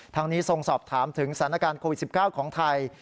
ทั้งนี้ทรงสอบถามถึงสถานการณ์โควิด๑๙ของไทย